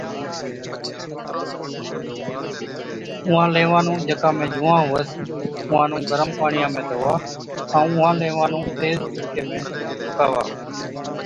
اُونهان ليوان نُون جڪا ۾ جُوئان هُوَس اُونهان نُون گرم پاڻِيان ۾ ڌووا ائُون اُونهان ليوان نُون تيز تِڙڪي ۾ سُڪاوا۔